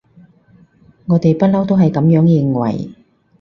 我哋不溜都係噉樣認為